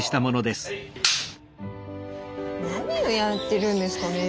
何をやってるんですかね。